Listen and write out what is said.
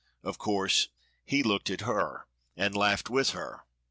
Of course he looked at her and laughed with her.